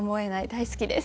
大好きです。